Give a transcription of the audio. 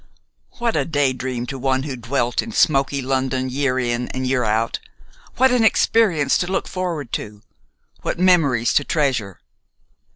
What a day dream to one who dwelt in smoky London year in and year out! What an experience to look forward to! What memories to treasure!